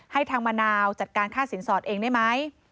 ทางมะนาวจัดการค่าสินสอดเองได้ไหม